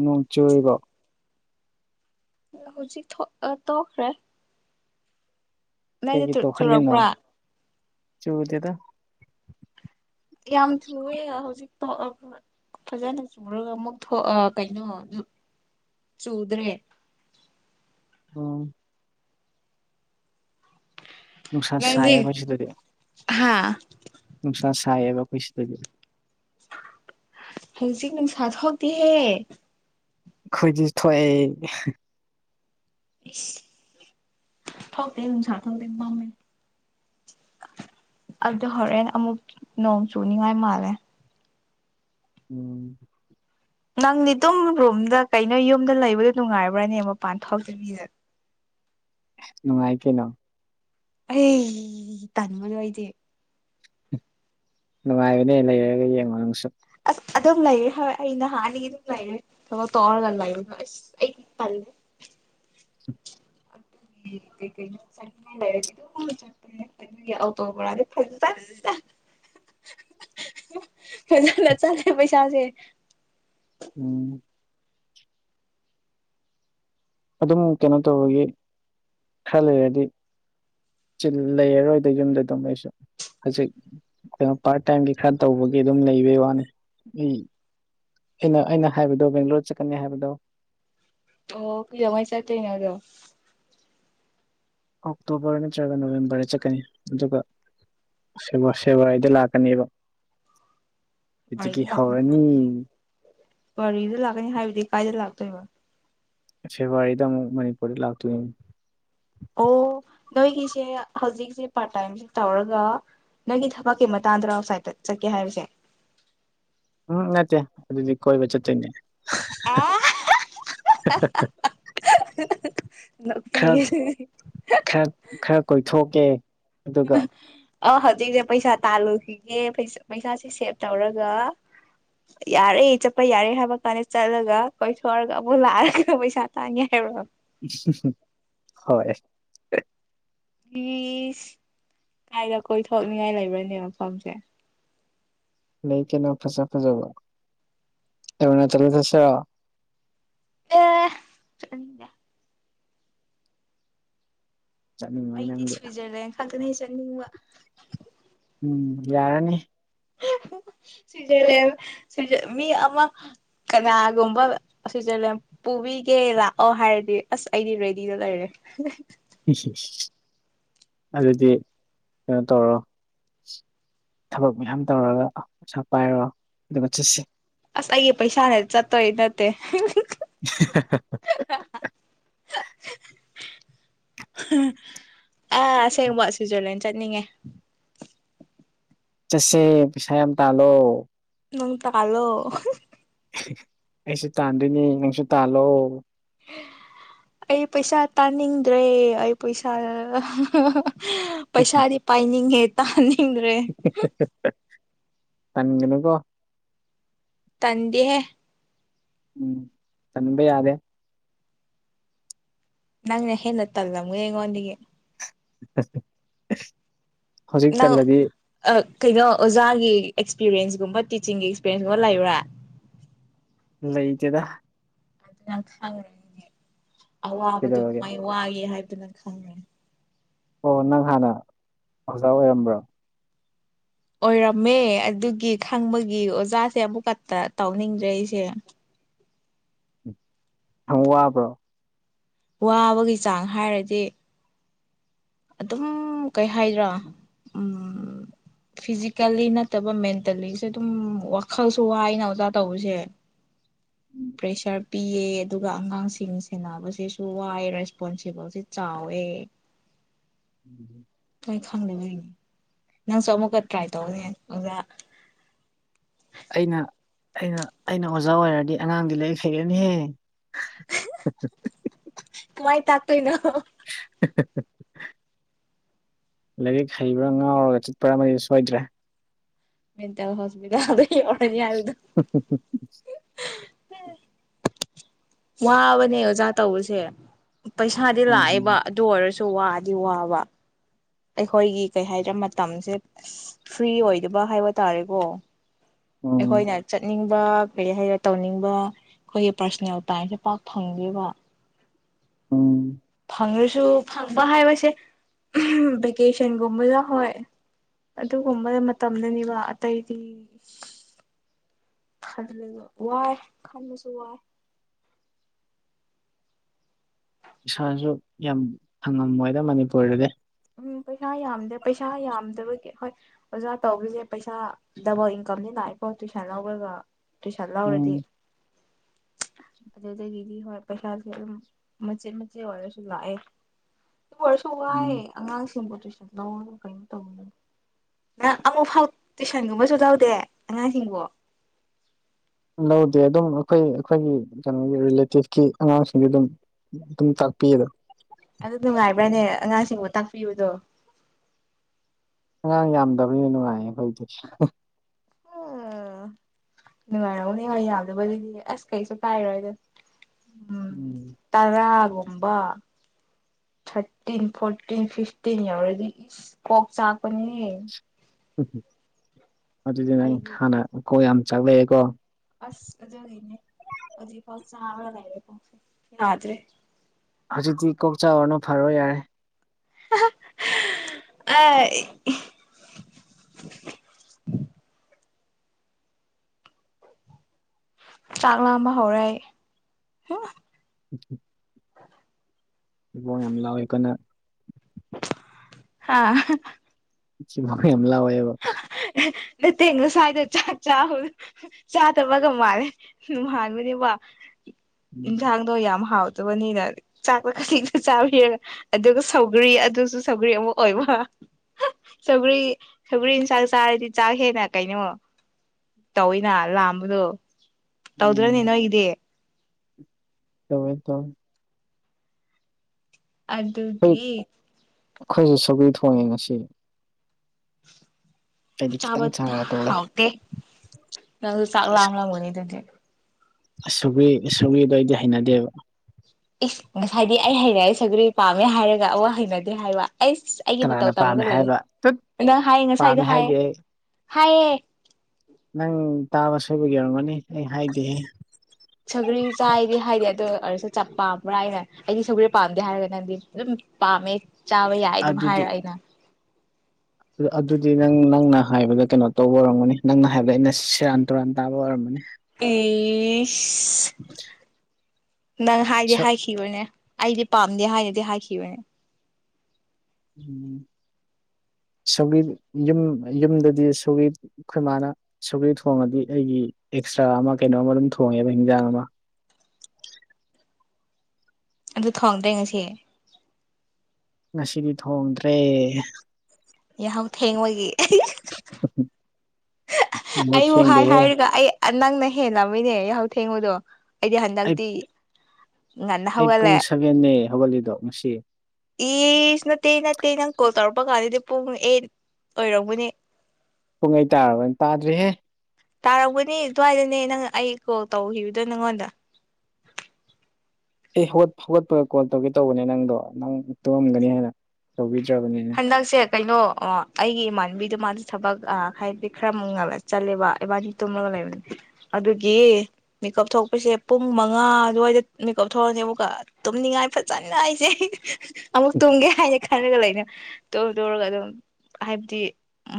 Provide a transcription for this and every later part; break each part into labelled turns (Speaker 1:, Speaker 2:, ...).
Speaker 1: ꯉꯣꯡ ꯆꯔꯤꯕꯣ
Speaker 2: ꯍꯧꯖꯤꯛ ꯇꯣꯛꯈ꯭ꯔꯦ ꯅꯣꯏꯗ
Speaker 1: ꯀꯩꯒꯤꯩ ꯇꯣꯈꯜꯂꯅꯣ
Speaker 2: ꯆꯨꯔꯛꯄ꯭ꯔꯥ
Speaker 1: ꯆꯗꯦꯗ
Speaker 2: ꯌꯥꯝ ꯊꯨꯑꯦ ꯍꯧꯖꯤꯛ ꯑꯒ ꯐꯖꯅ ꯆꯨꯔꯒ ꯑꯃꯨꯛ ꯊꯣꯛꯑ ꯀꯩꯅꯣ ꯑꯗꯨ ꯆꯨꯗ꯭ꯔꯦ
Speaker 1: ꯑ ꯅꯨꯡꯁꯥ
Speaker 2: ꯅꯪꯗꯤ
Speaker 1: ꯁꯥꯏꯌꯦ ꯑꯩꯈꯣꯏ ꯁꯤꯗꯗꯤ
Speaker 2: ꯍꯥ
Speaker 1: ꯁꯥ ꯁꯥꯏꯕ ꯀꯣꯏꯁ ꯇ ꯂꯩ
Speaker 2: ꯍꯧꯖꯤꯛ ꯅꯨꯡꯁꯥꯗꯇꯦꯍꯦ
Speaker 1: ꯈꯣꯏꯗꯤ ꯊꯣꯛꯑ
Speaker 2: ꯊꯣꯛꯥꯎꯗ ꯁꯥ ꯊꯧꯗ ꯃꯝꯃꯦ ꯑꯗꯨꯗ ꯍꯣꯔꯦꯟ ꯑꯃꯨꯛ ꯅꯣꯡ ꯆꯨꯅꯤꯉꯥꯏ ꯃꯥꯜꯂꯦ
Speaker 1: ꯎꯝ
Speaker 2: ꯅꯪꯗꯤ ꯑꯗꯨꯝ ꯔꯨꯝꯗ ꯀꯩꯅꯣ ꯌꯨꯝꯗ ꯂꯩꯕꯗꯣ ꯅꯨꯡꯉꯥꯏꯕ꯭ꯔꯥꯅꯦ ꯃꯄꯥꯟ ꯊꯣꯛꯗꯕꯤꯗ
Speaker 1: ꯅꯨꯡꯉꯥꯏ ꯀꯩꯅꯣ
Speaker 2: ꯑꯦ ꯇꯥꯟꯃꯗ ꯑꯣꯏꯏꯗꯤꯦ
Speaker 1: ꯅꯨꯡꯉꯥꯏꯒꯅꯦ ꯂꯩꯔꯒ ꯌꯦꯡꯉꯣ ꯅꯪꯁꯨ
Speaker 2: ꯑꯗꯨꯝ ꯂꯩꯌꯦ ꯍ ꯑꯩꯅ ꯍꯥꯟꯅꯒꯤ ꯑꯗꯨꯝ ꯂꯩꯌꯦꯦ ꯊꯕꯛ ꯇꯧꯔꯒ ꯂꯩ ꯑꯁ ꯑꯩ ꯄꯜꯂꯦ
Speaker 1: [inaudible] [inaudible]
Speaker 2: ꯀꯩ ꯀꯩꯅꯣ ꯆꯠꯅꯤꯡꯉꯥꯏ ꯂꯩꯔꯗꯤ ꯑꯗꯨꯝ ꯆꯠꯄ꯭ꯔꯦ ꯑꯗꯨꯒꯤ ꯑ ꯇꯧꯕ꯭ꯔꯗꯤ ꯐꯖ
Speaker 1: [inaudible]
Speaker 2: ꯐꯖ ꯆꯂꯦ ꯄꯩꯁꯥꯥꯁꯦ
Speaker 1: ꯎꯝ ꯑꯗꯨꯝ ꯀꯩꯅꯣ ꯇꯧꯕꯒꯤ ꯈꯔ ꯂꯩꯔꯗꯤ ꯆꯤ ꯂꯩꯔꯔꯣꯏꯗ ꯌꯨꯝꯗꯗꯧꯉꯩꯁꯨ ꯍꯧꯖꯤꯛ ꯀꯩꯅꯣ ꯄꯥꯔꯠ ꯇꯥꯏꯝꯒꯤ ꯈꯔ ꯇꯧꯕꯒꯤ ꯑꯗꯨꯝ ꯂꯩꯕꯩ ꯋꯥꯅꯤ ꯎꯝ ꯑꯩꯅ ꯑꯩꯅ ꯍꯥꯏꯕꯗꯣ ꯕꯦꯡꯒꯂꯣꯔ ꯆꯠꯀꯅꯤ ꯍꯥꯏꯕꯗꯣ
Speaker 2: ꯑꯣ ꯄ ꯃꯣꯏ ꯆꯅꯗꯣ
Speaker 1: ꯑꯣꯛꯇꯣꯕꯔ ꯅꯠꯇ꯭ꯔꯒ ꯅꯣꯕꯦꯝꯕꯔꯗ ꯆꯠꯀꯅꯤ ꯑꯗꯨꯒ ꯕ ꯁꯦꯕ ꯑꯩꯗꯤ ꯂꯥꯛꯀꯅꯤꯕ ꯍꯧꯖꯤꯀꯤ
Speaker 2: ꯒꯥꯔꯤꯗ
Speaker 1: ꯍꯧꯔꯅꯤ
Speaker 2: ꯋꯥꯔꯤꯗ ꯂꯥꯛꯀꯅꯤ ꯍꯥꯏꯕꯗꯤ ꯀꯥꯏꯗ ꯂꯥꯛꯇꯣꯏꯕ
Speaker 1: ꯐꯦꯕꯋꯥꯔꯤꯗ ꯑꯃꯨꯛ ꯃꯅꯤꯄꯨꯔꯗ ꯂꯥꯛꯇꯣꯏꯅꯤ
Speaker 2: ꯑꯣ ꯅꯣꯏꯒꯤꯁꯦ ꯍꯧꯖꯤꯛꯁꯦ ꯄꯥꯔꯠ ꯇꯥꯏꯝꯁꯦ ꯇꯧꯔꯒ ꯅꯪꯒꯤ ꯊꯕꯛꯀꯤ ꯃꯇꯥꯡꯗꯔ ꯉꯁꯥꯏ ꯆꯠꯀꯦ ꯍꯥꯏꯕꯁꯦ
Speaker 1: ꯎꯝ ꯅꯠꯇ ꯑꯗꯨ ꯑꯗꯨꯗꯤ ꯀꯣꯏ ꯆꯠꯇꯅꯦ [inaudible]
Speaker 2: ꯑꯦ
Speaker 1: ꯈꯔ
Speaker 2: ꯅꯣꯛꯄꯤꯒꯦ
Speaker 1: ꯈꯔ ꯈꯔ ꯀꯣꯏꯊꯣꯛꯀꯦ ꯑꯗꯨꯒ
Speaker 2: ꯑ ꯍꯧꯖꯤꯛꯁꯦ ꯄꯩꯁꯥ ꯇꯥꯜꯂꯨꯈꯤꯒꯦ ꯄꯩꯁꯥꯁꯦ ꯁꯦꯚ ꯇꯧꯔꯒ ꯌꯥꯔꯦ ꯆꯠꯄ ꯌꯥꯔꯦ ꯍꯥꯏꯕ ꯀꯥꯟꯗ ꯆꯠꯂꯒ ꯀꯣꯏꯊꯣꯔꯔꯒ ꯑꯃꯨꯛ ꯂꯥꯛꯑꯒ ꯄꯩꯁꯥ ꯇꯥꯡꯉꯦ ꯍꯥꯏꯕ
Speaker 1: ꯍꯣꯏ
Speaker 2: ꯌꯦꯁ ꯀꯥꯏꯗ ꯀꯣꯏ ꯊꯣꯛꯅꯤꯉꯥꯏ ꯂꯩꯕ꯭ꯔꯅꯦ ꯃꯐꯝꯁꯦ
Speaker 1: ꯂꯩ ꯀꯩꯅꯣ ꯐꯁ ꯐꯖꯕ ꯑꯦꯅ ꯆ ꯊꯁ
Speaker 2: ꯑꯦ [inaudible]
Speaker 1: ꯆꯠꯅꯤꯡꯉꯣꯏ
Speaker 2: ꯑꯩꯗꯤ
Speaker 1: ꯅꯪꯗꯤ
Speaker 2: ꯁ꯭ꯋꯤꯖꯔꯂꯦꯟ ꯈꯛꯇꯅꯦ ꯆꯠꯅꯤꯡꯕ
Speaker 1: ꯎꯝ ꯌꯥꯔꯅꯤ
Speaker 2: ꯁ꯭ꯤꯖꯔꯂ ꯁꯖꯔ ꯃꯤ ꯑꯃ ꯀꯅꯥꯒꯨꯝꯕ ꯁꯖꯦꯟ ꯄꯨꯕꯤꯒꯦ ꯂꯥꯛꯑꯣ ꯍꯥꯏꯔꯗꯤ ꯑꯁ ꯑꯩꯗꯤ ꯔꯦꯗꯤꯗ ꯂꯩꯔꯦ ꯎ
Speaker 1: ꯑꯗꯨꯗꯤ ꯀꯩꯅꯣ ꯇꯧꯔꯣ ꯊꯕꯛ ꯃꯌꯥꯝ ꯇꯧꯔꯒ ꯄꯩꯁꯥ ꯄꯥꯏꯔꯒ ꯑꯗꯨꯒ ꯆꯠꯁꯤ
Speaker 2: ꯑꯁ ꯑꯩꯒꯤ ꯄꯩꯁꯥꯅꯦ ꯆꯠꯇꯣꯏ ꯅꯠꯇꯦ
Speaker 1: [inaudible]
Speaker 2: ꯑ ꯑꯁꯦꯡꯕ ꯁ꯭ꯋꯤꯖꯔꯂꯦꯟ ꯆꯠꯅꯤꯡꯉꯦ
Speaker 1: ꯆꯠꯁꯦ ꯄꯩꯁꯥ ꯌꯥꯝ ꯇꯥꯜꯂꯣ
Speaker 2: ꯅꯪ ꯇ ꯀꯂꯣ
Speaker 1: ꯑꯩꯁꯨ ꯇꯥꯟꯗꯣꯏꯅꯦ ꯅꯪꯁꯨ ꯇꯥꯜꯂꯣ
Speaker 2: ꯑꯩ ꯄꯩꯁꯥ ꯇꯥꯅꯤꯡꯗ꯭ꯔꯦ ꯑꯩ ꯄꯩꯁꯥ ꯄꯩꯁꯥꯗꯤ ꯄꯥꯏꯅꯤꯡꯉꯦ ꯇꯅꯤ
Speaker 1: ꯇꯅꯤꯡꯒꯅꯀꯣ
Speaker 2: ꯇꯗꯦꯦ
Speaker 1: ꯎꯝ ꯆꯟꯕ ꯌꯥꯗꯦ
Speaker 2: ꯅꯪꯅꯦ ꯍꯦ ꯅꯠꯇꯜ ꯅ ꯑꯃ ꯌꯦꯦꯒꯣꯟꯟꯒ
Speaker 1: ꯍꯧꯖꯤꯛ
Speaker 2: ꯅꯪ
Speaker 1: ꯇꯜꯂꯗꯤ
Speaker 2: ꯀꯩꯅꯣ ꯑꯣꯖꯥꯒꯤ ꯑꯦꯛꯁꯄꯤꯔꯦꯟꯁꯒꯨꯝꯕ ꯇꯤꯆꯤꯡꯒꯤ ꯑꯦꯛꯁꯄꯤꯔꯦꯟꯁꯒꯨꯝꯕ ꯂꯩꯕꯨꯔꯦ
Speaker 1: ꯂꯩ ꯏꯗꯦꯗ
Speaker 2: ꯑꯗꯨꯅ ꯈꯪꯉꯦꯅꯦ ꯑꯋꯥꯕꯗꯣ
Speaker 1: ꯀꯩꯗꯧꯔꯒꯦ
Speaker 2: ꯀꯃꯥꯏ ꯋꯥꯏꯦ ꯍꯥꯏꯕꯅꯪ ꯈꯪꯉꯦ
Speaker 1: ꯑꯣ ꯅꯪ ꯍꯥꯟꯅ ꯑꯣꯖꯥ ꯑꯣꯏꯔꯝꯕ꯭ꯔꯣ
Speaker 2: ꯑꯣꯏꯔꯝꯃꯦ ꯑꯗꯨꯒꯤ ꯈꯪꯕꯒꯤ ꯑꯣꯖꯥꯁꯦ ꯑꯃꯨꯛꯀꯛꯇ ꯇꯧꯅꯤꯡꯗ꯭ꯔꯦ ꯑꯩꯁꯦ
Speaker 1: ꯊꯪ ꯋꯥꯕ꯭ꯔꯣ
Speaker 2: ꯋꯥꯕꯒꯤ ꯆꯥꯡ ꯍꯥꯏꯔꯗꯤ ꯑꯗꯨꯝ ꯀꯩ ꯍꯥꯏꯗ꯭ꯔꯥ ꯎꯝ ꯐꯤꯖꯤꯀꯦꯜꯂꯤ ꯅꯠꯇꯕ ꯃꯦꯟꯇꯦꯜꯂꯤꯁꯦ ꯑꯗꯨꯝ ꯋꯥꯈꯜꯁꯨ ꯋꯥꯅ ꯑꯣꯖꯥ ꯇꯧꯕꯔꯤꯁꯦ ꯄ꯭ꯔꯦꯁꯔ ꯄꯤꯌꯦ ꯑꯗꯨꯒ ꯑꯉꯥꯡꯁꯤꯡ ꯁꯦꯟꯅꯕꯁꯤꯁꯨ ꯋꯥꯏ ꯔꯦꯁꯄꯣꯟꯁꯤꯕꯜꯁꯤ ꯆꯥꯎꯑꯦ
Speaker 1: ꯎꯝ
Speaker 2: ꯁꯣꯏ ꯈꯪꯗꯕꯒꯤꯅꯤ ꯅꯪꯁꯨ ꯑꯃꯨꯛꯀ ꯇ꯭ꯔꯥꯏ ꯇꯧꯅꯦ ꯑꯣꯖꯥ
Speaker 1: ꯑꯩꯅ ꯑꯩꯅ ꯑꯩꯅ ꯑꯣꯖꯥ ꯑꯣꯏꯔꯗꯤ ꯑꯉꯥꯡꯗꯤ ꯂꯩꯈ꯭ꯔꯔꯅꯤꯍꯦ [inaudible]
Speaker 2: ꯃꯥꯏ ꯇꯥꯛꯇꯣꯏꯅꯣ
Speaker 1: [inaudible] ꯂꯥꯏꯔꯤꯛ ꯍꯩꯕ꯭ꯔꯥ ꯉꯥꯎꯔꯒ ꯆꯠꯄ꯭ꯔꯥ ꯑꯃꯗꯤ ꯁꯣꯏꯗ꯭ꯔꯦ
Speaker 2: ꯃꯇ ꯍꯁꯗ ꯌꯥ
Speaker 1: ꯑ
Speaker 2: ꯋꯥꯕꯅꯦ ꯑꯣꯖꯥ ꯇꯧꯕꯁꯦ ꯄꯩꯁꯥꯗꯤ ꯂꯥꯛꯑꯦꯕ
Speaker 1: ꯎꯝ
Speaker 2: ꯑꯗꯨ ꯑꯣꯏꯔꯁꯨ ꯇ ꯋꯥꯗꯤ ꯋꯥ ꯋꯥ ꯑꯩꯈꯣꯏꯒꯤ ꯀꯩ ꯍꯥꯏꯗ꯭ꯔꯦ ꯃꯇꯝꯁꯦ ꯐ꯭ꯔꯤ ꯑꯣꯏꯗꯕ ꯍꯥꯏꯕ ꯇꯥꯔꯦꯀꯣ
Speaker 1: ꯎꯝ
Speaker 2: ꯑꯩꯈꯣꯏꯅ ꯆꯠꯅꯤꯡ ꯀ ꯍꯥꯏ ꯇꯧꯅꯤꯡꯕ ꯑꯩꯈꯣꯏꯒꯤ ꯄꯔꯣꯅꯦ ꯇꯥꯏ ꯄꯥꯛ ꯐꯪꯕ
Speaker 1: ꯑꯝ
Speaker 2: ꯐꯪꯉꯁꯨ ꯐꯪꯕ ꯍꯥꯏꯕꯁꯦ ꯚꯦꯀꯦꯁꯟꯒꯨꯝꯕꯁꯨ ꯍꯣꯏ ꯑꯗꯨꯒꯨꯝꯕ ꯃꯇꯝꯅꯅꯦꯕ ꯑꯇꯩꯗꯤ ꯈꯗꯂ ꯋꯥꯏ ꯈꯥꯟꯅꯁꯨ ꯋꯥꯏ
Speaker 1: ꯏꯁꯥꯁꯨ ꯌꯥꯝ ꯐꯪꯉꯝꯃꯣꯏꯗ ꯃꯅꯤꯄꯨꯔꯗꯗꯤ
Speaker 2: ꯎꯝ ꯄꯩꯁꯥ ꯌꯥꯝꯗꯦ ꯄꯩꯁꯥ ꯌꯥꯝꯗꯕꯒꯤ ꯍꯣꯏ ꯑꯣꯖꯥ ꯇꯧꯕꯁꯦ ꯄꯩꯁꯥ ꯗꯕ ꯏꯟ ꯀꯝꯅꯤꯅꯥꯏ ꯄꯥꯎ ꯇꯨꯁꯟ ꯂ ꯂꯧꯕꯒ ꯇꯨꯏꯁꯟ ꯂꯧꯔꯗꯤ
Speaker 1: ꯎꯝ
Speaker 2: ꯑꯗꯨꯗꯒꯤꯗꯤ ꯍꯣꯏ ꯄꯩꯁꯥꯁꯤ ꯑꯗꯨ ꯃꯦ ꯃꯦ ꯋꯥꯔꯁꯨ ꯂꯥꯛꯑꯦ ꯇ ꯋꯥꯔꯁꯨ
Speaker 1: ꯎꯝ
Speaker 2: ꯋꯥꯑ ꯁꯤ ꯄꯠꯇ ꯂꯝ ꯀꯩꯅꯝ ꯇꯧꯧꯕꯅꯤ ꯅꯪ ꯑꯃꯨꯛ ꯐꯥꯎ ꯇꯨꯏꯁꯟꯒꯨꯝꯕꯁꯨ ꯇꯧꯗꯦ ꯑꯉꯥꯡꯁꯤꯡꯕꯣ
Speaker 1: ꯂꯧꯗꯦ ꯑꯗꯨꯝ ꯑꯩꯈꯣꯏ ꯑꯩꯈꯣꯏꯒꯤ ꯀꯩꯅꯣꯒꯤ ꯔꯤꯂꯦꯇꯤꯞꯀꯤ ꯑꯉꯥꯡꯁꯤꯡꯒꯤ ꯑꯗꯨꯝ ꯑꯗꯨꯝ ꯇꯥꯛꯄꯤꯌꯦꯗ
Speaker 2: ꯑꯗꯨ ꯅꯨꯡꯉꯥꯏꯕ꯭ꯔꯥꯅꯦ ꯑꯉꯥꯡꯁꯤꯡꯕꯨ ꯇꯥꯛꯄꯤꯕꯗꯣ
Speaker 1: ꯑꯉꯥꯡ ꯌꯥꯝꯗꯕꯅꯤꯅ ꯅꯨꯡꯉꯥꯏꯌꯦ ꯑꯩꯈꯣꯏꯗꯤꯛ
Speaker 2: ꯅꯨꯡꯉꯥꯏꯔꯎꯅꯦ ꯍꯣꯏ ꯌꯥꯗꯕꯗꯨꯗꯤ ꯑꯁ ꯀꯩꯁꯨ ꯄꯥꯏꯔꯣꯏꯗ ꯎꯝ ꯇꯔꯥꯒꯨꯝꯕ ꯊꯥꯔꯇꯤꯟ ꯐꯣꯔꯇꯤꯟ ꯐꯤꯐꯇꯤꯟ ꯌꯎꯔꯗꯤ ꯏꯁ ꯀꯣꯛ ꯆꯥꯛꯄꯅꯤ
Speaker 1: ꯎ ꯑꯗꯨꯗꯤ ꯅꯪ ꯍꯥꯟꯅ ꯀꯣ ꯌꯥꯝ ꯆꯥꯛꯂꯛꯑꯦꯀꯣ
Speaker 2: ꯑꯁꯖꯒꯅꯦ ꯍꯧꯖꯤ ꯐꯥꯎ ꯆ ꯂꯔꯦ ꯐꯥꯎꯖꯦ
Speaker 1: ꯍꯧꯖꯤꯛꯇꯤ ꯀꯣꯛꯆꯆꯥꯔꯅ ꯐꯔꯣ ꯌꯥꯔꯦ
Speaker 2: ꯑ
Speaker 1: ꯑ
Speaker 2: ꯆꯥꯛ ꯂꯥꯡꯝꯕ ꯍꯧꯔꯦ
Speaker 1: ꯎ ꯏꯕꯣꯡ ꯌꯥꯝ ꯂꯥꯎꯋꯦ ꯀꯅ
Speaker 2: ꯑ
Speaker 1: ꯃꯝꯃꯃꯤ ꯑꯦꯝꯂꯑꯣꯣꯏꯕꯕꯥ
Speaker 2: ꯂꯩꯠꯇꯦꯡ ꯉꯁ꯭ꯋꯥꯏꯗꯣ ꯆꯥꯛ ꯆꯥ ꯆꯥꯗꯕꯒ ꯃꯥꯜꯂꯦ ꯍꯥꯟꯕꯅꯦꯕ
Speaker 1: ꯎꯝ
Speaker 2: ꯌꯦꯟꯁꯥꯡꯗꯣ ꯌꯥꯝ ꯍꯥꯎꯗꯦ ꯑꯗꯨꯅꯤꯅ ꯆꯥꯛꯄ ꯈꯖꯤꯤꯡꯁꯨ ꯆꯥꯕꯤꯔ ꯑꯗꯨꯒ ꯁꯧꯒꯔꯤ ꯑꯗꯨꯁꯨ ꯁꯧꯒ꯭ꯔꯤ ꯑꯃ ꯑꯣꯏꯕ ꯆꯕꯔꯤ ꯁꯒꯜ ꯏꯟꯁꯥꯛ ꯆꯥꯔꯗꯤ ꯆꯥꯛ ꯍꯦꯟꯅ ꯀꯩꯅꯣ ꯇꯧꯋꯤꯅ ꯂꯥꯝꯕꯗꯣ ꯇꯧꯗ꯭ꯔꯣ ꯅꯅꯣꯒꯗꯦ
Speaker 1: ꯇꯃꯦ ꯇ ꯑꯩꯈꯣꯏ
Speaker 2: ꯑꯗꯨꯒꯤ
Speaker 1: ꯑꯩꯈꯣꯏꯁꯨ ꯁꯒꯔꯤ ꯊꯣꯡꯉꯦ ꯉꯁꯤ ꯑꯩꯗꯤ
Speaker 2: [unintelligible] ꯆꯥꯕ
Speaker 1: ꯈꯤꯇꯪ ꯆꯥꯔꯒ ꯇꯣꯛꯂꯦ
Speaker 2: ꯍꯥꯎꯇ ꯅ ꯆꯂ ꯑꯂ ꯃꯅꯤ ꯇꯦꯦ
Speaker 1: ꯁꯨꯔꯤ ꯁꯨꯔꯤꯗꯣ ꯑꯩꯗꯤ ꯍꯩꯅꯗꯦꯕ
Speaker 2: ꯏꯁ ꯉꯁꯥꯏꯗꯤ ꯑꯩ ꯍꯩꯅꯦ ꯁꯒꯜ ꯄꯥꯝꯃꯦ ꯍꯥꯏꯔꯒ ꯑ ꯍꯩꯅꯗꯦ ꯍꯥꯏꯕ ꯑꯩꯁ ꯑꯩꯒꯤ ꯃꯇꯧ
Speaker 1: ꯀꯅꯥꯅ ꯄꯥꯝꯃꯦ
Speaker 2: ꯇꯝꯃꯒ ꯂꯩ
Speaker 1: ꯍꯥꯏꯕ ꯇꯨꯠ
Speaker 2: ꯅꯪ ꯍꯥꯏ ꯉꯁꯥꯏꯗꯣ
Speaker 1: ꯄꯥꯝꯃꯦ
Speaker 2: ꯍꯥꯏ
Speaker 1: ꯍꯥꯏꯗꯦ ꯑꯩ
Speaker 2: ꯍꯥꯏꯌꯦꯌꯦ
Speaker 1: ꯅꯪ ꯇꯥꯕ ꯁꯣꯏꯕ ꯌꯧꯔꯝꯒꯅꯤ ꯑꯩ ꯍꯥꯏꯗꯦꯍꯦ
Speaker 2: ꯁꯒꯔꯤ ꯆꯥꯏꯗꯤ ꯍꯥꯏꯗꯤ ꯑꯗꯣꯁꯨ ꯆꯞ ꯄꯥꯝꯕ꯭ꯔꯥ ꯍꯥꯏꯅ ꯑꯩꯗꯤ ꯁꯒꯔꯤ ꯄꯥꯝꯗꯦ ꯍꯥꯏꯔꯒ ꯅꯪꯗꯤ ꯑꯗꯨꯝ ꯄꯥꯝꯃꯦ ꯆꯥꯕ ꯌꯥꯏ ꯑꯗꯨꯝ
Speaker 1: ꯑꯗꯨꯗꯤ
Speaker 2: ꯍꯥꯏꯔꯣꯑꯣ ꯑꯩꯅ
Speaker 1: ꯑꯗꯨꯗꯤ ꯅꯪ ꯅꯪꯅ ꯍꯥꯏꯕꯗ ꯀꯩꯅꯣ ꯇꯧꯕ ꯑꯣꯏꯔꯝꯒꯅꯤ ꯅꯪꯅ ꯍꯥꯏꯕꯗ ꯑꯩꯅ ꯁꯦꯔꯥꯟ ꯇꯨꯔꯥꯟ ꯇꯥꯕ ꯑꯣꯏꯔꯝꯃꯅꯤ
Speaker 2: ꯄ ꯅꯪ ꯍꯥꯏꯗꯤ
Speaker 1: ꯁꯛ
Speaker 2: ꯍꯥꯏꯈꯤꯕꯅꯦ ꯑꯩꯗꯤ ꯄꯥꯝꯗꯦ ꯍꯥꯏꯅꯗꯤ ꯍꯥꯏꯈꯤꯕꯅꯦ
Speaker 1: ꯎꯝ ꯁ ꯌꯨꯝ ꯌꯨꯝꯗꯗꯤ ꯁꯒꯤ ꯑꯩꯈꯣꯏ ꯃꯥꯅ ꯁꯧꯒꯔꯤ ꯊꯣꯡꯉꯗꯤ ꯑꯩꯒꯤ ꯑꯦꯛꯁꯇ꯭ꯔꯥ ꯑꯃ ꯀꯩꯅꯣ ꯑꯃ ꯑꯗꯨꯝ ꯊꯣꯡꯉꯦꯕ ꯍꯤꯟꯖꯥꯡ ꯑꯃ
Speaker 2: ꯑꯗꯨ ꯊꯣꯡꯗ꯭ꯔꯦ ꯉꯁꯤ
Speaker 1: ꯉꯁꯤꯗꯤ ꯊꯣꯡꯗ꯭ꯔꯦ
Speaker 2: ꯌꯥꯍꯧ ꯊꯦꯡꯉꯣꯏꯒꯤ
Speaker 1: ꯌꯦꯡꯉꯣ
Speaker 2: ꯑꯩꯕꯨ ꯍꯥꯏ
Speaker 1: ꯊꯦꯡꯗꯦꯍꯦ
Speaker 2: ꯍꯥꯏꯔꯒ ꯑꯩ ꯅꯪꯅ ꯍꯦꯜꯂꯝꯕꯅꯤꯅꯦ ꯌꯥꯍꯧ ꯊꯦꯡꯕꯗꯣ ꯑꯩꯗꯤ
Speaker 1: ꯑꯩ
Speaker 2: ꯍꯟꯗꯛꯇꯤ ꯉꯟꯅ
Speaker 1: ꯑꯩ
Speaker 2: ꯍꯧꯒꯠꯂꯦ
Speaker 1: ꯄꯨꯡ ꯁꯕꯦꯟꯅꯦ ꯍꯧꯒꯠꯂꯤꯗꯣ ꯉꯁꯤ
Speaker 2: ꯑꯦꯁ ꯅꯠꯇꯦ ꯅꯠꯇꯦ ꯅꯪ ꯀꯣꯜ ꯇꯧꯔꯛꯄ ꯀꯥꯟꯗꯗꯤ ꯄꯨꯡ ꯑꯩꯠ ꯑꯣꯏꯔꯝꯒꯅꯦ
Speaker 1: ꯄꯨꯡꯍꯩ ꯇꯥꯔꯕꯅ ꯇꯥꯗ꯭ꯔꯤꯍꯦ
Speaker 2: ꯇꯥꯔꯛꯄꯅꯤ ꯑꯗꯨꯋꯥꯏꯗꯅꯦ ꯅꯪ ꯑꯩ ꯀꯣꯜ ꯇꯧꯈꯤꯕꯗꯣ ꯅꯪꯉꯣꯟꯗ
Speaker 1: ꯑꯩ ꯍꯧꯒꯠ ꯍꯧꯒꯠꯄ ꯀꯣꯜ ꯇꯧꯒꯦ ꯇꯧꯕꯅꯦ ꯅꯪꯗꯣ ꯅꯪ ꯇꯧꯔꯝꯒꯅꯤ ꯍꯥꯏꯅ ꯇꯧꯕꯤ ꯌꯥꯕꯅꯤ
Speaker 2: ꯍꯟꯗꯛꯁꯦ ꯀꯩꯅꯣ ꯑꯩꯒꯤ ꯏꯃꯥꯟꯕꯤꯗꯨꯣ ꯃꯥꯗꯤ ꯊꯕꯛ ꯍꯥꯏꯗꯤ ꯈꯔ ꯃꯨꯛ ꯉꯂ ꯆꯠꯂꯦꯕ ꯏꯃꯥꯟꯕꯤ ꯇꯨꯝꯃꯒ ꯑꯗꯨꯒꯤ ꯃꯦꯀꯞ ꯊꯣꯛꯄꯁꯦ ꯄꯨꯡ ꯃꯉꯥ ꯑꯗꯨꯋꯥꯏꯗ ꯃꯦꯀꯞ ꯊꯣꯛꯔꯅꯦꯕꯀ ꯇꯨꯝꯅꯤꯡꯉꯥꯏ ꯐꯖꯅ ꯑꯩꯁꯦ ꯑꯃꯨꯛ ꯇꯨꯝꯒꯦ ꯍꯥꯏꯅ ꯈꯜꯂꯒ ꯂꯩꯅꯕ ꯇꯧꯗꯣꯜꯒ ꯑꯗꯨ ꯍꯥꯏꯕꯗꯤ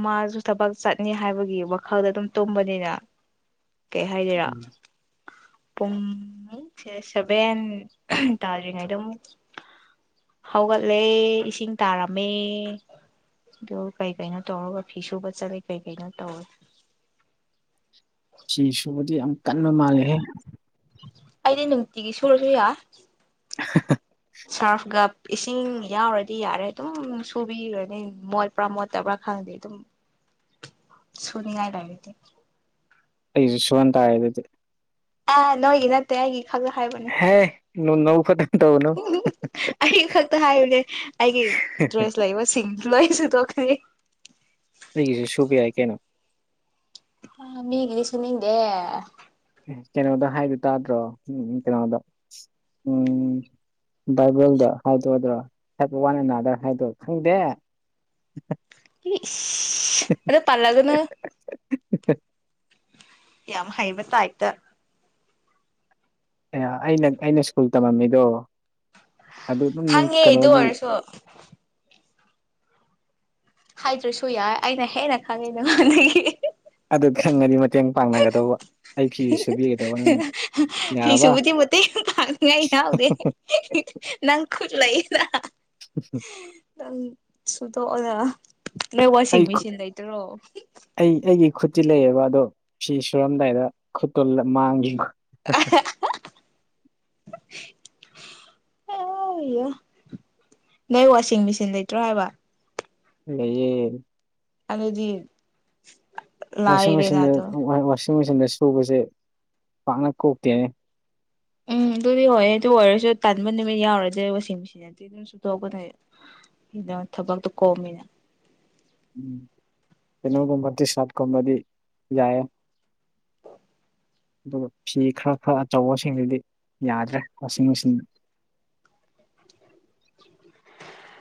Speaker 2: ꯃꯥꯁꯨ ꯊꯕꯛ ꯆꯠꯅꯤ ꯍꯥꯏꯕꯒꯤ ꯋꯥꯈꯜꯗ ꯑꯗꯨꯝ ꯇꯨꯝꯕꯅꯤꯅ ꯀꯩ ꯍꯥꯏꯒꯦꯔꯥ ꯄꯨꯡꯦ ꯁꯕꯦꯟ ꯇꯥꯗ꯭ꯔꯤꯉꯩ ꯑꯗꯨꯝ ꯍꯧꯒꯠꯂꯦ ꯏꯁꯤꯡ ꯇꯥꯔꯝꯃꯦ ꯑꯗꯨ ꯀꯩ ꯀꯩꯅꯣ ꯇꯧꯔꯒ ꯐꯤ ꯁꯨꯕ ꯆꯠꯂꯦ ꯀꯩ ꯀꯩꯅꯣ ꯇꯧꯔꯦ
Speaker 1: ꯁꯤ ꯁꯨꯕꯗꯤ ꯌꯥꯝ ꯀꯟꯕ ꯃꯥꯜꯂꯦꯍꯦ
Speaker 2: ꯀꯗꯤ ꯅꯅꯨꯡꯗꯤꯒꯤ ꯁꯣꯔꯖꯌꯥ
Speaker 1: [inaudible]
Speaker 2: ꯁꯥꯔꯐꯒ ꯏꯁꯤꯡ ꯌꯥꯎꯔꯗꯤ ꯌꯥꯔꯦ ꯑꯗꯨꯝ ꯁꯨꯕꯤꯔꯅꯤ ꯃꯣꯠꯄ꯭ꯔꯥ ꯃꯣꯠꯇꯕ꯭ꯔꯥ ꯈꯪꯦ ꯑꯗꯨ ꯁꯅꯤꯉ ꯂꯦꯗꯤ
Speaker 1: ꯑꯩ ꯁꯋꯥꯇ ꯍꯥꯏꯗꯗꯤ
Speaker 2: ꯑ ꯅꯣꯏꯦ ꯅꯠꯇꯦ ꯍꯥꯏꯦ ꯈꯛꯇ ꯍꯥꯏꯕꯅꯦ
Speaker 1: ꯍꯦ ꯅꯣ ꯅꯧ ꯈꯛꯇꯪ ꯇꯧꯅꯨ
Speaker 2: ꯑꯩ ꯈꯛꯇ ꯍꯥꯏꯕꯨꯅꯦ ꯑꯩꯒꯤ ꯗ꯭ꯔꯦꯁ ꯂꯩꯥꯏꯕ ꯁꯤꯁꯤꯡ ꯂꯏꯁ ꯇ ꯀꯔꯤ
Speaker 1: ꯁ ꯁꯨꯕꯤ ꯌꯥꯏ ꯀꯩꯅꯣ
Speaker 2: ꯑ ꯃꯤꯒꯤꯗꯤꯁꯨꯅꯤꯡꯗꯦ
Speaker 1: ꯀꯩꯅꯣꯗ ꯍꯥꯏꯗꯨ ꯇꯥꯗ꯭ꯔꯣ ꯎꯝ ꯀꯩꯅꯣꯗ ꯎꯝ ꯕꯥꯥꯏꯕꯜꯗ ꯍꯥꯏꯗꯣꯛꯑꯣꯗ꯭ꯔꯣ ꯍꯥꯏꯄ ꯋꯥ ꯑꯅꯥꯗ ꯍꯥꯏꯗ ꯈꯪꯗꯦ
Speaker 2: ꯑꯗ ꯄꯂꯒꯅ ꯌꯥꯝ ꯍꯩꯕ ꯇꯥꯏꯇ
Speaker 1: ꯑꯦ ꯑꯩꯅ ꯑꯩꯅ ꯁ꯭ꯀꯨꯜ ꯇꯝꯃꯝꯃꯤꯗꯣ ꯑꯗꯨ ꯑꯗꯨꯝ
Speaker 2: ꯈꯪꯉꯦ ꯑꯗꯨ
Speaker 1: ꯀꯩꯅꯣꯒꯤ
Speaker 2: ꯑꯣꯏꯔꯁꯨ ꯍꯥꯏꯗ꯭ꯔꯁꯨ ꯌꯥꯏ ꯑꯩꯅ ꯍꯦꯟꯅ ꯈꯪꯉꯦ ꯅꯉꯥꯟꯗꯒꯤ
Speaker 1: ꯑ ꯈꯪꯥꯡꯅꯤꯦ
Speaker 2: ꯍ
Speaker 1: ꯅꯪꯅ ꯌꯥꯔꯕ
Speaker 2: ꯁꯕꯨꯗꯤ ꯃꯠꯇ ꯊ ꯉꯥꯏ ꯌꯥꯎꯗꯦ ꯅꯪ ꯈꯨꯠꯂ ꯏꯅ
Speaker 1: ꯎ
Speaker 2: ꯁꯨꯗꯣꯛ ꯑꯣꯖ ꯅꯣꯏ ꯋꯥꯁꯤꯡ
Speaker 1: ꯑꯩ
Speaker 2: ꯃꯦꯁꯤꯟ ꯂꯩꯇ꯭ꯔꯣ
Speaker 1: ꯈꯨꯠꯁꯤ ꯂꯩꯑꯦꯕ ꯑꯗꯣ ꯁꯤ ꯁꯨꯔꯝꯗꯥꯏꯗ ꯈꯨꯇꯜ ꯃꯥꯡꯈꯤ [inaudible]
Speaker 2: ꯅꯣꯏ ꯋꯥꯁꯤꯡ ꯃꯦꯆꯤꯟ ꯂꯩꯇ꯭ꯔꯣ ꯍꯥꯏꯕ
Speaker 1: ꯂꯩꯌꯦ
Speaker 2: ꯑꯗꯗꯤ
Speaker 1: ꯋꯥꯁꯤꯡ ꯃꯦꯆꯤꯟꯗ ꯋꯥꯁꯤꯡ ꯃꯦꯆꯤꯟꯗ ꯁꯨꯕꯁꯦ ꯄꯥꯛꯅ ꯀꯣꯛꯇꯦꯅꯦ [inaudible]
Speaker 2: ꯎꯝ ꯑꯗꯨꯗꯤ ꯍꯣꯏꯦ ꯑꯗꯨ ꯑꯣꯏꯔꯁꯨ ꯇꯥꯟꯕ ꯅꯨꯃꯤꯠ ꯌꯥꯎꯔꯁꯦ ꯋꯥꯁꯤꯡ ꯃꯦꯆꯤꯟ ꯑꯗꯨ ꯑꯗꯨꯗꯤ ꯑꯗꯨꯝ ꯁꯨꯊꯣꯛꯑꯀꯅꯦ ꯍꯗꯪ ꯊꯕꯛꯇꯣ ꯀꯣꯝꯃꯤꯅ
Speaker 1: ꯎꯝ ꯀꯩꯅꯣ ꯀꯕꯗꯤꯁ ꯁꯥꯠ ꯀꯕꯗꯤ ꯌꯥꯌꯦ ꯑꯗꯨꯒ ꯐꯤ ꯈꯔ ꯈꯔ ꯑꯆꯧꯕꯁꯤꯡꯁꯤꯗꯤ ꯌꯥꯗ꯭ꯔꯦ ꯋꯥꯁꯤꯡ ꯃꯦꯆꯤꯟꯗ [inaudible]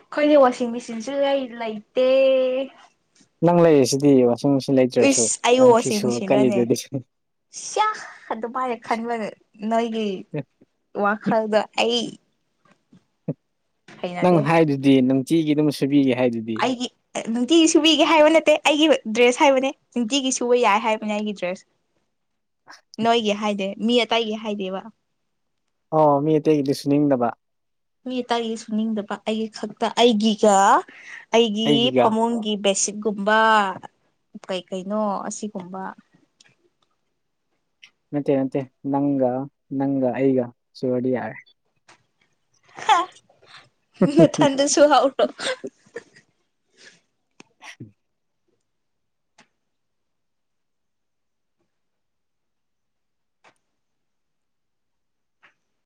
Speaker 2: ꯑꯩꯈꯣꯏꯅꯦ ꯋꯥꯁꯤꯡ ꯃꯦꯆꯤꯟꯁꯨ ꯂꯩꯇꯦ
Speaker 1: ꯅꯪ ꯂꯩ ꯁꯤꯗꯤꯕ
Speaker 2: ꯏ ꯑꯌꯣ ꯋꯥꯁꯤ ꯃꯁꯤꯟ ꯔꯅꯦ
Speaker 1: ꯀꯜꯂꯤꯗꯨꯗꯤ
Speaker 2: ꯁ ꯑꯗꯨ ꯄꯥꯏꯦ ꯈꯪꯕꯒ ꯅꯣꯏꯒꯤ ꯋꯥꯈꯜꯗ ꯑꯩ
Speaker 1: ꯅꯪ
Speaker 2: ꯍꯩꯅꯗꯦ
Speaker 1: ꯍꯥꯏꯗꯨꯗꯤ ꯅꯅꯨꯡ ꯆꯤꯒꯤ ꯑꯗꯨꯝ ꯁꯨꯕꯤꯒꯦ ꯍꯥꯏꯗꯨꯗꯤ
Speaker 2: ꯑꯩꯒꯤ ꯅꯨꯡꯇꯤꯒꯤ ꯁꯨꯕꯤꯒꯦ ꯍꯥꯏꯕ ꯅꯠꯇꯦ ꯑꯩꯒꯤ ꯗ꯭ꯔꯦꯁ ꯍꯥꯏꯕꯅꯦ ꯅꯨꯡꯇꯤꯒꯤ ꯁꯨꯕ ꯌꯥꯏ ꯍꯥꯏꯕꯅꯦ ꯑꯩꯒꯤ ꯗ꯭ꯔꯦꯁ ꯅꯣꯏꯒꯤ ꯍꯥꯏꯗꯦ ꯃꯤ ꯑꯇꯥꯏꯒꯤ ꯍꯥꯏꯗꯦꯕ
Speaker 1: ꯑꯣ ꯃꯤ ꯑꯇꯩꯒꯤꯗꯤ ꯁꯨꯅꯤꯡꯗꯕ
Speaker 2: ꯃꯤ ꯑꯇꯒꯤ ꯁꯨꯅꯤꯡꯗꯕ ꯑꯩꯒꯤ ꯈꯛꯇ ꯑꯩꯒꯤꯒ ꯑꯩꯒꯤ
Speaker 1: ꯑꯩꯒꯤꯒ
Speaker 2: ꯐꯃꯨꯡꯒꯤ ꯕꯦꯁꯤꯠ ꯀꯨꯝꯕ ꯀꯩ ꯀꯩꯅꯣ ꯑꯁꯤꯒꯨꯝꯕ
Speaker 1: ꯃꯦ ꯃꯦ ꯅꯪ ꯅꯪ ꯑꯩꯒ ꯆꯗꯤ ꯌꯥꯦ
Speaker 2: ꯃ ꯊꯗꯁꯨꯨ ꯍꯧꯥꯎꯇꯣ
Speaker 1: ꯎ